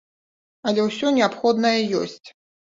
Але ўсё неабходнае ёсць.